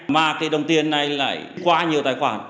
mà cái đồng tiền này lại qua nhiều tài khoản